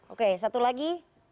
oke satu lagi